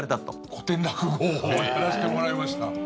古典落語をやらしてもらいました。